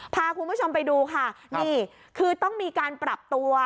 พาคุณผู้ชมไปดูค่ะนี่คือต้องมีการปรับตัว